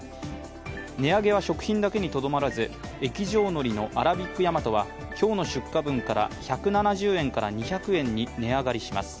値上げは食品だけにとどまらず、液状のりのアラビックヤマトは今日の出荷分から１７０円から２００円に値上がりします。